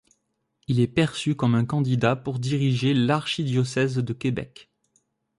Il est perçu comme un candidat pour diriger l'archidiocèse de Québec.